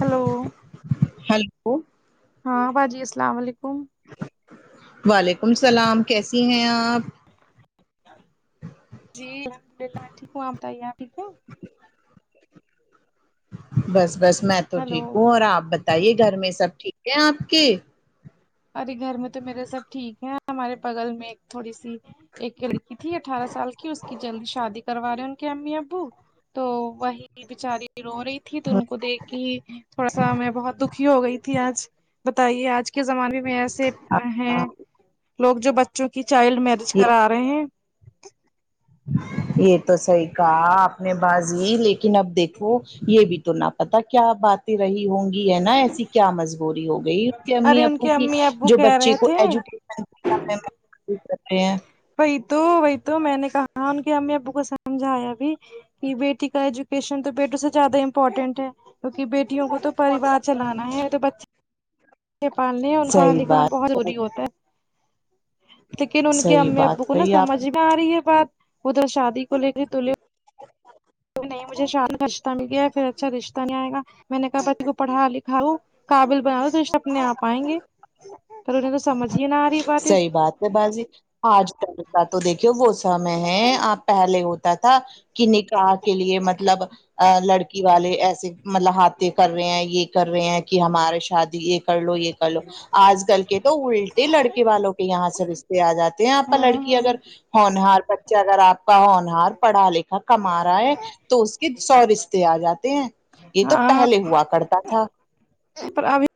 Hello hello ہاں باجی السلام و علیکم وعلیکم السلام کیسی ہیں آپ جی الحمد اللہ ٹیک ہوں آپ بتائیے آپ ٹھیک ہے ج [inaudible] بس بس میں تو ہلو ٹھیک ہوں اور آپ بتائیے گھر میں سب ٹھیک ہے آپ کے ابھی گھر میں تو میرے سب ٹھیک ہے ہمارے بگل میں تھوڑی سی ایک لڑکی تھی اٹھارہ سال کی اس کی جلدی شادی کروا رہے ان کے امی ابو تو وہی بچاری رو رہی تھی تو ان کو دیکھ کے تھوڑا سا میں بہت دکھی ہو گئی تھی آج بتائیے آج کے زمانے میں ایسے ہیں لوگ جو ب چوں کہ چائلڈ میرج یہ کرا رہے ہیں یہ تو صحیح کہا آپ نے بازی لیکن اب دیکھو یہ بھی تو نہ پتا کیا باتیں رہی ہوں گی ہے نا کیا مجبوری ہو گئی اس کے امی ارے ان ابو کے کی امی ابو جو کہہ بچے رہے کو تھے ایجوکیٹ کرتے ہیں [unintelligible] وہی تو وہی تو میں نے کہا ان کے امی ابو کو سمجھایا بھی کہ بیٹی کا ایجوکیشن تو بیٹوں سے زیادہ امپورٹینٹ ہے کیونکہ بی ٹیوں کو تو پریوار چلانا ہے تو بچے پالنے ان کو پڑھا صحیح لکھا بہت بات ضروری ہوتا ہے لیکن ان کے صحیح امی ابو بات کو نا کہی آپ سمجھ میں آ رہی ہے بات ادھر شادی کو لے کے تو لے نہیں مجھے شان رشتہ مل گیا پھر اچھا رشتہ نہیں آئے گا میں نے کہا بچی کو پڑھا لکھا لو قابل بناؤ تو رشتے اپنے آپ آئیں گے تو انہوں نے کہا سمجھیے نا صحیح بات ہے بازی آج کل کا تو دیکھیو وہ سمے ہے آپ پہلے ہوتا تھا کہ نکاح کے لیے مطلب ا لڑکی والے ایسے مطلب ہاتے کر رہے ہیں یہ کر رہے ہیں کہ ہمارے شادی یہ کر لو یہ کر لو آج کل کے تو الٹ لڑکے والوں کے یہاں سے رشتے آ جاتے ہیں یہ آپ پر ہاں لڑکی اگر ہونہار بچہ اگر آپ کا ہونہار پڑھا لکھا کما رہا ہے تو اس کے سو رشتے آ جاتے ہیں یہ ہاں تو ہاں پہلے ہوا کرتا تھا پر ابھی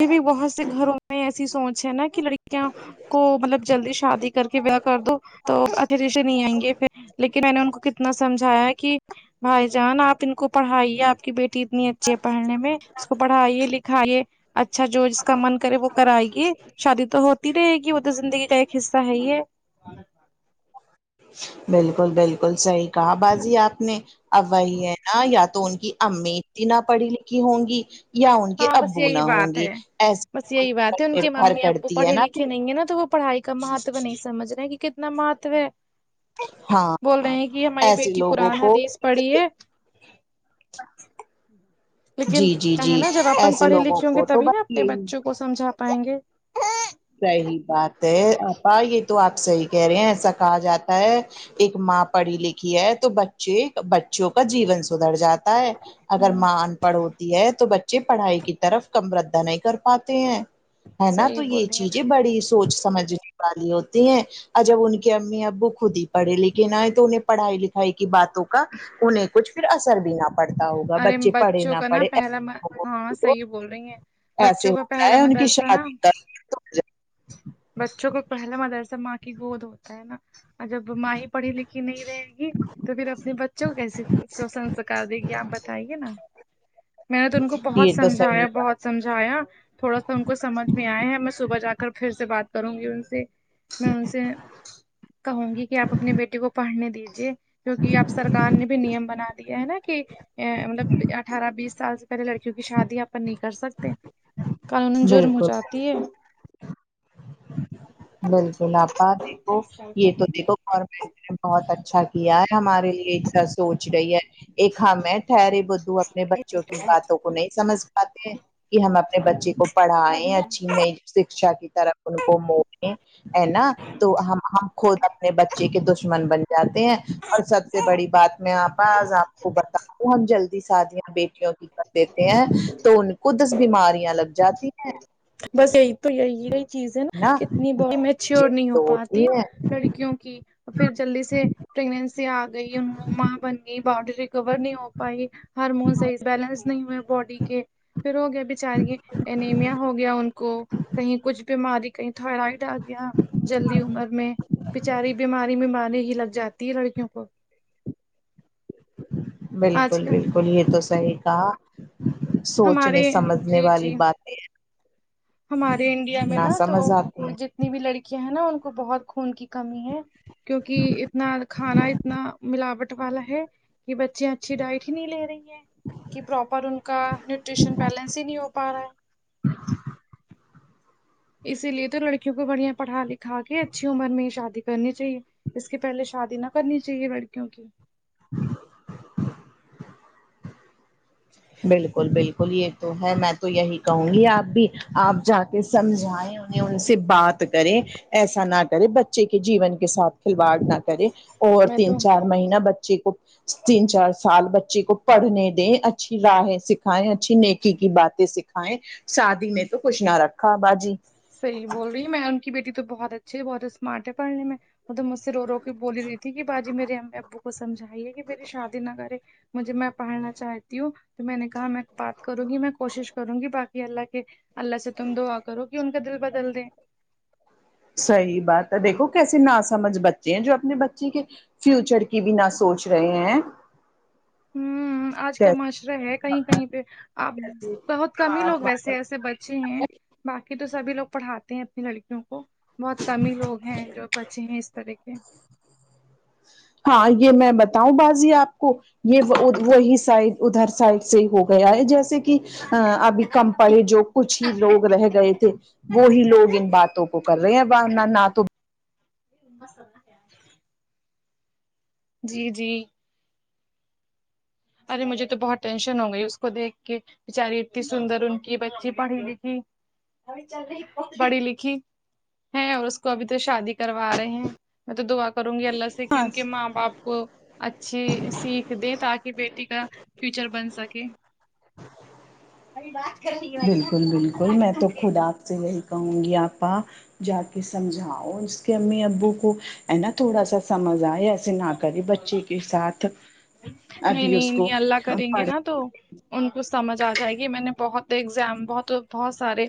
ا بھی بہت سے گھروں میں ایسی سوچ ہے نا کہ لڑکیاں کو مطلب جلدی شادی کر کے بیا کر دو تو اچھے رشتے نہیں آئیں گے پھر لیکن کہ میں نے ان کو کتنا سمجھایا کہ بھائی جان آپ ان کو پڑھائیے آپ کی بیٹی اتنی اچھی ہے پڑھنے میں اس کو پڑھائیے لکھائیے اچھا جو جس کا من کرے وہ کرائیے شادی تو ہوتی رہے گی وہ تو زندگی کا ایک حصہ ہے یہ بالکل بالکل صحیح کہاں بازی آپ نے اب وہی ہے نا یا تو ان کی امی بنا پڑھی لکھی ہوں گی یا ان کے ہاں بس ابو یہی نہ ہوں بات گے ہے بس یہی بات ہے ان ایسے کے نربھر ممی ابو کرتی ہے پڑھے نا لکھے نہیں ہیں نا تو وہ پڑھائی کا مہتو نہیں سمجھ رہے کہ کتنا مہتو ہے ہاں بول رہے ہاں، ہیں کہ ہماری ایسے بیٹی لوگوں قرآن کو حدیث پڑھی ہے لیکن جی جی چاہے جی نا جب اپن ایسے پڑھے لوگوں لکھے ہوں گے کو تو تبھی نا بس اپنے یہی بچوں کو سمجھا پائیں گے صحیح بات ہے آپا یہ تو آپ صحیح کہہ رہے ہیں ایسا کہا جاتا ہے ایک ماں پڑھی لکھی ہے تو بچے بچوں کا جیون سدھر جاتا ہے اگر ہوں ماں ان پڑھ ہوتی ہے تو بچے پڑھائی کی طرف کم ردا نہیں کر پاتے ہیں ہے نا تو صحیح بول یہ رہی ہیں چیزیں بڑی سوچ سمجھنے والی ہوتی ہیں اور جب ان کے امی ابو خود ہی پڑھے لکھے نۓ تو انہیں پڑھائی لکھ کی باتوں کا انہیں کچھ پھر اثر بھی نہ پڑ پڑھتا ہوگا ارے بچے پڑھے بچوں نہ کا نا پڑھے پہلا م... ہاں صحیح بول رہی ہیں ایسے بچوں کا ہوتا پہلا ہے ان کی مدرسہ نا شادی کا [unintelligible] بچوں کو پہلا مدرسہ ماں کی گود ہوتا ہے نا جب ماں ہی پڑھی لکھی نہیں رہے گی تو پھر اپنے بچوں کو کیسے سسنسکار دے گی آپ بتائیے نا میں نے تو ان کو بہت یہ تو صحیح سمجھایا بات بہت سمجھایا تھوڑا سا ان کو سمجھ میں آیا ہے میں صبح جا کر پھر سے بات کروں گی ان سے میں ان سے کہوں گی کہ آپ اپنے بیٹے کو پڑھنے دیجیے کیوںکہ اب سرکار نے بھی نیم بنا دیا ہے نا کہ ا مطلب اٹھارہ بیس سال سے پہلے لڑکیوں کی شادی اپن نہیں کر سکتے قانون جرم ہو بالکل جاتی ہے بالکل آپا دیکھو یہ تو دیکھو بہت اچھا کیا ہے ہمارے لیے ایک سونچ رہی ہے ایک ہم ہے ٹھہرے بدھو اپنے بچوں کی باتوں کو نہیں سمجھ ہیں کہ ہم اپنے بچے کو پڑھائے اچھی نئی شکشا کی طرف ان کو مو ہے نا تو ہم ہم خود اپنے بچے کے دشمن بنے جاتے ہیں اور سب سے بڑی بات میں آپا آپ کو بتاؤ ہم جو جلدی شادیاں بیٹیوں کی کر دیتے ہیں تو ان کو دس بیماریاں لگ جاتی ہیں بس یہی تو ہی ای رہی چیزیں نا کتنی بی میچور یہ نہیں ہو تو ہوتی پاتی ہیں لڑکیوں کی پھر جلدی سے پریگنسی آ گئی ان ماں بن گئی باڈی ریکور نہیں ہو پائی ہارمون صحیز بیلنس نہیں ہوئے باڈی کے پھر ہو گیا بیچاریے انمیا ہو گیا ان کو کہیں کچھ بیماری کہیں تھائرائڈ آ گیا جلدی عمر میں بچاری بیماری میں مار ہی لگ جا تی لڑکیوں کو آج بالکل کل بالکل یہ تو صحیح کہا سوچنے ہمارے سمجھنے جی والی جی باتیں ہیں ہمارے انڈیا میں نا تو سمجھ آتی ہیں جتنی بھی لڑکیاں ہیں نا ان کو بہت خون کی کمی ہے کیوںنکہ اتنا کھانا اتنا ملاوٹ والا ہے کہ بچے اچھی ڈائٹ ہی نہیں لے رہی ہیں کہ پراپر ان کا نیوٹریشن بیلنس ہی نہیں ہو پا رہا ہے اسی لیے تو لڑکیوں کو بڑھیا پڑھا لکھا کے اچھی عمر میں شادی کرنی چاہیے اس کی پہلے شادی نہ کرنی چاہیے لڑکیوں کی [unintelligible] بالکل بالکل یہ تو ہے میں تو یہی کہوں گی آپ بھی آپ جا کے سمجھائیں ان سے بات کرے ایسا نہ کرے بچے کے جیون کے ساتھ کھلواڑ نہ کرے اور میں تین تو چار مہینہ بچے کو تین چار سال بچے کو پڑھنے دیں اچا اچھی راہیں سکھائیں اچھی نیکی کی باتیں سکھائیں شادی میں تو کوشھ نہ رکھا باجی صحیح بول رہی میں ان کی بیٹی تو بہت اچھی ہے بہت اسمارٹ ہے پڑھنے میں مطلب مجھ سے رو رو کے بولی رہی تھی کہ باجی میرے امی ابو کو سمجھائیے کہ میری شادی نہ کرے مجھے میں پڑھنا چاہتی ہوں تو میں نے کہا میں بات کروں گی میں کوشش کروں گی باقی اللہ کے اللہ سے تم دعا کرو کہ ان کا دل بدل دیں صحیح بات ہے دیکھو کیسے نا سمجھ بچے ہیں جو اپنے بچے کے فیوچر کی بھی نہ سوچ رہے ہیں ہوں آج کا کیسے معاشرہ ہے کہیں کہیں پہ آ کیسے بہت کم ہی دماغ لوگ ویسے والے۔ ایسے بچے ہیں باقی تو سبھی لوگ پڑھاتے ہیں اپنی لڑکیوں کو بہت کم ہی لوگ ہیں جو بچے ہیں اس طرح کے کے ہاں یہ میں بتاؤں بازی آپ کو یہ وہی سائڈ ادھر سائڈ سے ہو گیا ہے جیسے کہ کہ ا ابھی کم پڑھے جو کچھ ہی لوگ رہ گئے تھے وہی لوگ ان باتوں کو کر رہے ہیں نہ تو [unintelligible] جی جی ارے مجھے تو بہت ٹینشن ہو گئی اس کو دیکھ کے بچاری اتنی سندر ان کی بچی پڑھی لکھی پڑھی لکھی ہیں اور اس کو ابھی تو شادی کروا رہے ہیں میں تو دعا کروں گی اللہ سے کہ ہاں ان کے ماں باپ کو اچھی سیکھ دے تاکہ بیٹ ی کا فیوچر بن سکے اے بات کر رہی ہے بھیا بالکل بالکل آئی میں تم تو کہ خود آپ سے یہی کہوں گی آپا جا کے سمجھاؤ اس کے امی ابو کو ہے نا تھوڑا سا سمجھ آئے ایسے نہ کرے بچی کے ساتھ نہیں ابھی نہیں اس کو نہیں اللہ کریں گے پڑھ نا تو ان کو سمجھ آ جائے گی میں نے بہت ایگزام بہت بہت سارے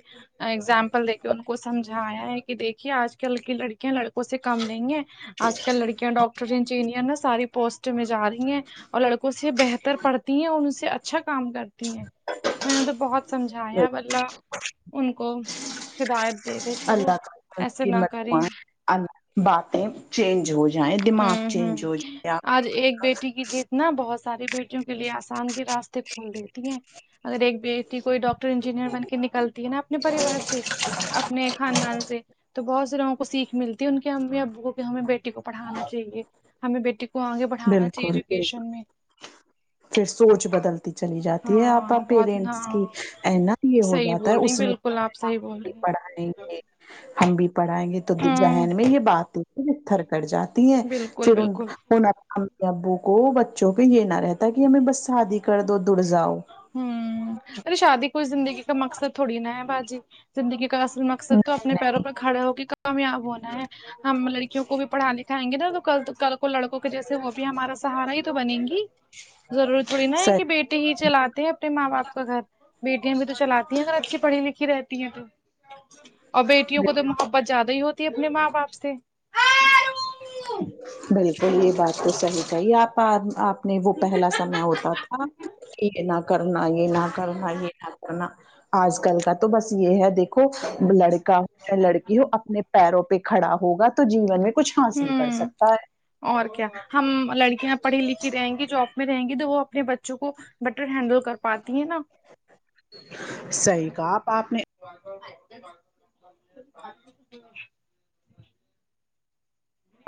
اگزامپل دے کے ان کو سمجھایا ہے کہ دیکھیے آج کل کی لڑکیاں لڑکوں سے کم نہیں ہے آج کل لڑکیاں ڈاکٹر انجینئر نہ ساری پوسٹ میں جا رہی ہیں اور لڑکوں سے بہتر پڑھتی ہیں اور ان سے اچھا کام کرتی ہیں میں نے تو بہت سمجھایا اب اللہ ان کو ہدایت دے دے کہ وہ اللہ کا ایسے نہ کریں متوان باتیں چینج ہو جائیں دماغ ہوں چینج ہو جائے آپ نہ بہت ساری بیٹیوں کے لیے آسان کے راستے کھول دیتی ہیں اگر ایک بیٹی کوئی ڈاکٹر انجینئر بن کے نکلتی ہے نا اپنے پریوار سے اپنے خاندان سے تو بہت سے لوگوں کو سیکھ ملتی ان کے امی ابو کو کہ ہمیں بیٹی کو پڑھانا چاہیے ہمیں بیٹی کو کو آگے بڑھانا چاہیے بالکل بالکل ایجوکیشن میں پھر سوچ بدلتی چلی جاتی ہے آپا ہاں بہت پیرنٹس ہاں کی انت یہ ہو جاتا ہے اس نے کل آپ صحیح بول رہے پڑھائیں ہیں گے ہم بھی پڑھائیں گے تو ہوں ذہن میں یہ بات ہے پ تھر کٹ جاتی ہیں بالکل پھر ان بالکل ان امی ابو کو بچوں کو یہ نہ رہتا کہ ہمیں بس شادی کر دو دڑ جاؤ ہوں ارے شادی کوئی زندگی کا مقصد تھوڑی نہا ہے باجی زندگی کا اصل مقصد تو نہیں اپنے پیروں نہیں پر کھڑے ہو کے کامیاب ہونا ہے ہم لڑکیوں کو بھی پڑھا لکھائیں گے نا تو کل کل وہ لڑکوں کے جیسے وہ بھی ہمارا سہارا ہی تو بنے گی ضرورت صحیح بیٹے ہی چلاتے ہیں اپنے ماں باپ کا گھر بیٹیاں بھی تو چلاتی ہیں اگر اچھی پڑھی لکھی رہتی ہیں تو اور بیٹیوں کو تو محبت زیادہ ہی ہوتی ہے اپنے ماں باپ سے بالکل یہ بات تو صحیح کہیں آپا آپ اپنے وہ پہلا سمے ہوتا تھا کہ یہ نہ کرنا یہ نہ کرنا یہ نہ کرنا آج کل کا تو بس یہ ہے دیکھو لڑکا چاہے لڑکی ہو اپنے پیروں پہ کھڑا ہوگا تو جیون میں کچھ حاصل کر ہوں سکتا ہے اور کیا ہم لڑکیاں پڑھی لکھی رہیں گی جاب میں رہیں گی تو وہ اپنے بچوں کو بٹر ہینڈل کر پاتی ہیں نا صحیح کہا آپ آپ نے [unintelligible]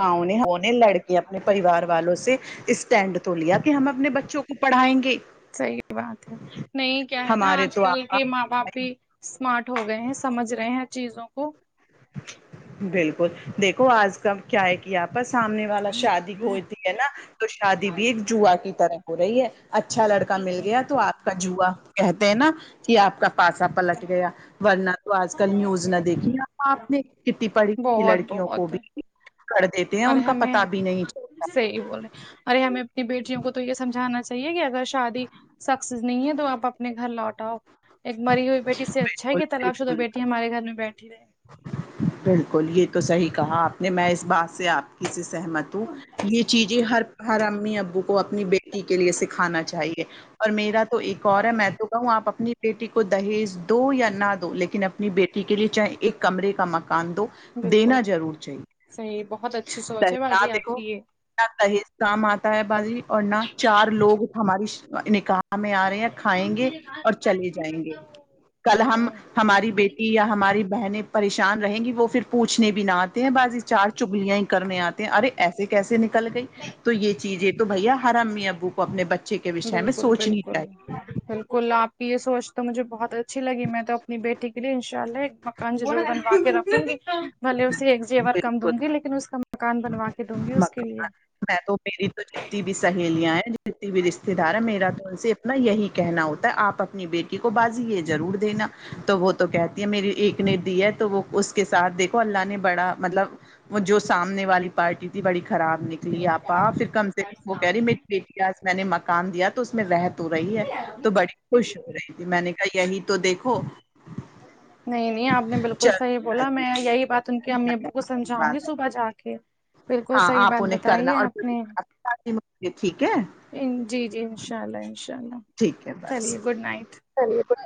ہاں انے انے لڑک اپنے پریوار والوں سے اسٹینڈ تو لیا کہ ہم اپنے بچوں کو پڑھائیں گے صحیح بات ہے نہیں کیا ہے نا ہمارے آج تو کل کے ماں آپا باپ بھی اسمارٹ ہو گئے ہیں سمجھ رہے ہیں چیزوں کو بالکل دیکھو آج کل کیا ہے کہ آ پا سامنے والا شادی ہوے ٹھیک ہے نا تو شادی بھی ایک جوہ کی طرح ہو رہی ہے اچھا لڑکا مل گیا تو آپ کا جوہ کہتے ہیں نا کہ آپ کا پاسا پلٹ گیا ورنہ تو آج کل نیوز نہ دیکھی اپ نے کتی پڑھی لکھی بہت لڑکیوں کو بہت بھی کر دیتے ہیں اور ان کا ہمیں پتا بھی نہیں چل صحیح بول رہے ہیں ارے ہمیں اپنی بیٹیوں کو تو یہ سمجھانا چا حی ہے کہ اگر شادی سکسیز نہیں ہے تو آپ اپنے گھر لوٹ آو ایک مری ہوئی بیٹی سے اچھا ہے بالکل کہ طلاق شدہ بالکل بیٹی ہمارے گھر میں بیٹھی رہے بالکل یہ تو صحیح کہا آپ نے میں اس بات سے سے آپ کی سے سہمت ہوں یہ چیزیں ہر ہر امی ابو کو اپنی بیٹی کے لیے سکھانا چاہیے اور میرا تو ایک اور ہے میں تو کہوں آپ اپنی بیٹی کو دہیج دو یا نہ دو لیکن اپنی بیٹی کے لیے چاہے ایک کمرے کا مکان دو بالکل دینا ضرور چاہیے صحیح بہت اچھی سوچ ہے دہ باجی آپ دیکھو کی یہ نہ دہیج کام آتا ہے باجی اور نہ چار لوگ ہماری شا نکاح میں آ رہے ہیں کھائیں گے اور چلے جائیں گے کل ہم یہ ہماری بیٹی یا ہماری بہنیں پریشان رہیں گی وہ پھر پوچھنے بھی نہ آتے ہیں باجی چار چگلیاں ہی کرنے آتے ہیں ارے ایسے کیسے ن کل گئی تو یہ چیزیں تو بھیا ہر امی ابو کو اپنے بچے کے وشے میں بالکل سوچنی بالکل چاہیے بالکل آپ یہ سوچ تو مجھے بہت اچھی لگی میں تو اپنی بیٹی کے لیے ان شاء اللہ ایک مکان ضرور بنوا کے رکھوں گی بھلے اسے ایک زیور کم دوں بالکل گی لیکن اس کا مکان بنوا کے دوں گی اس کے لیے مکان میں تو میری تو جتنی بھی سہیلیاں ہیں جتنی بھی رشتے دار ہے میرا تو ان سے یہی کہنا ہوتا ہے آپ اپنی بیٹی کو باجی یہ ضرور دینا تو وہ تو کہتے میری ایک نے دی ہے تو وہ اس کے ساتھ دیکھو اللہ نے بڑا مطلب وہ جو سامنے والی پارٹی تھی بڑی خراب نک لی آپا پھر کم سے کم وہ کہہ رہی میری بیٹی آج میں نے مکان دیا تو اس میں رہ تو رہی ہے تو بڑی خوش ہو رہی تھی میں نے کہا یہی تو دیکھو [unintelligible] نہیں نہیں آپ نے بالکل صحیح چلو بولا میں یہی بات ان کے امی ابو کو سمجھاؤں گی صبح بات جا کے بالکل ہاں صحیح آپ بات انہیں بتائی کرنا ہے اور آپ نے ٹھیک ہے جی جی انشاء اللہ انشاء اللہ ٹھیک ہے بس چلیے گڈ نائٹ چلیے گڈ